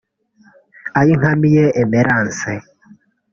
Ayinkamiye Emerence